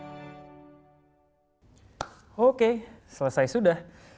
jadi saya barusan mengikuti proses pendaftaran dan juga verifikasi untuk menjadi peserta upacara virtual